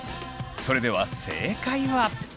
それでは正解は。